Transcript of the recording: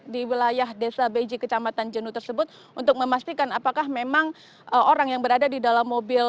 di wilayah desa beji kecamatan jenuh tersebut untuk memastikan apakah memang orang yang berada di dalam mobil